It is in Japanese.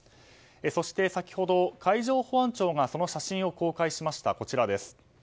そして、先ほど海上保安庁がその写真を公開しました。